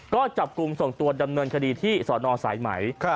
ก็จับกลุ่มส่งตัวดำเนินคดีที่สนสายไหม